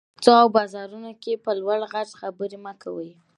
په کوڅو او بازارونو کې په لوړ غږ خبري مه کوٸ.